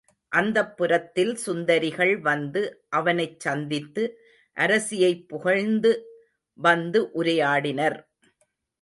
அந்தப்புரத்தில் சுந்தரிகள் வந்து அவனைச் சந்தித்து அரசியைப் புகழ்ந்து வந்து உரையாடினர்.